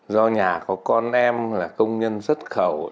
do nhà có con em là công nhân xuất khẩu